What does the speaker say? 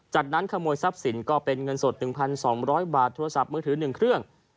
จากนั้นขโมยทรัพย์สินก็เป็นเงินสด๑๒๐๐บาทโทรศัพท์มือถือ๑เครื่อง